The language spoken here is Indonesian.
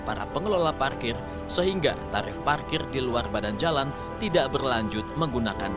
para pengelola parkir sehingga tarif parkir di luar badan jalan tidak berlanjut menggunakan